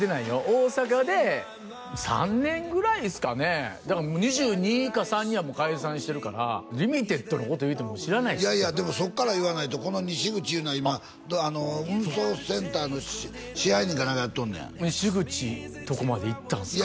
大阪で３年ぐらいですかねだから２２か２３にはもう解散してるからリミテッドのこと言うても知らないいやいやでもそっから言わないとこの西口いうのは今あの運送センターの支配人か何かやっとんのや西口とこまで行ったんすか？